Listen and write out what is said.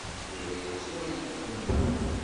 Yuba yettu ayefki-nni.